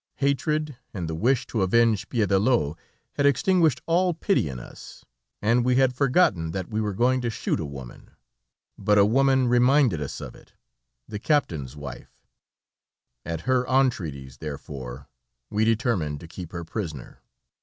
Hatred, and the wish to avenge Piédelot had extinguished all pity in us, and we had forgotten that we were going to shoot a woman, but a woman reminded us of it, the captain's wife; at her entreaties, therefore, we determined to keep her prisoner.